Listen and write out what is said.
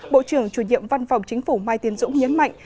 bộ trưởng chủ nhiệm văn phòng chính phủ mai tiến dũng nhấn mạnh